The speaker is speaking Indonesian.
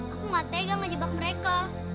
aku gak tegang ngejebak mereka